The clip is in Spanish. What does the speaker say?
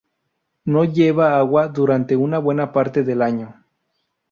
No lleva agua durante una buena parte del año.